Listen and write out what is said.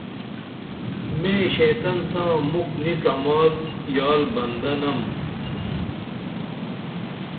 میں شیطن ساں مُکھ نی ڇمال یال بندہ نم